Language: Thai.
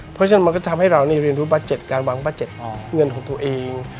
เพราะฉะนั้นมันก็ทำให้เราเรียนรู้บา๗การวางบาด๗เงินของตัวเอง